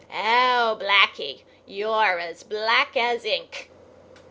"Oh, Blacky, you're as black as ink!"